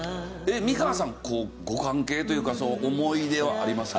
美川さんご関係というか思い出はありますか？